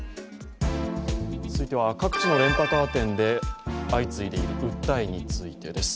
続いては、各地のレンタカー店で相次いでいる訴えについてです。